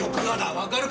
わかるか？